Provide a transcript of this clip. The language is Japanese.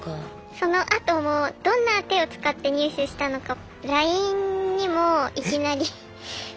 そのあともどんな手を使って入手したのかＬＩＮＥにもいきなりメッセージが来て。